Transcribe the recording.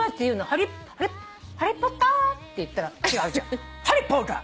ハリハリ・ポッター？って言ったら「違う違うハリ・ポッラー」